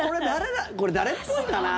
これ、誰っぽいかな。